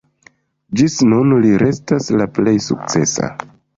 Ĝis nun li restas la plej sukcesa.